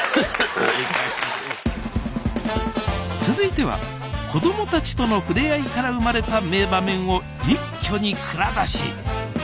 続いては子どもたちとの触れ合いから生まれた名場面を一挙に蔵出し。